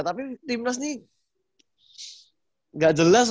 tapi tim nas ini nggak jelas